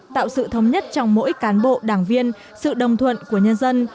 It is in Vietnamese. tạo sự thống nhất trong mỗi cán bộ đảng viên sự đồng thuận của nhân dân